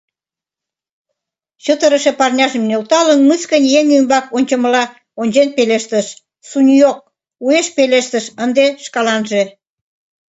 Чытырыше парняжым нӧлталын, мыскынь еҥ ӱмбак ончымыла ончен пелештыш Суньог, - уэш пелештыш, ынде шкаланже.